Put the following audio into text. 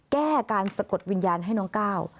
แก้การสะกดวิญญาณให้น้องก้าว